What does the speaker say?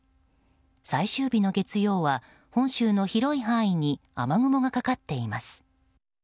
最終日の月曜は本州の広い範囲に雨雲がかかっています。